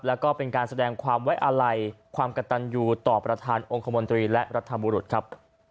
แล้วก็เป็นการแสดงความไว้อาลัยความกระตันอยู่ต่อประธานองค์คมนตรีและรัฐบุรุษครับ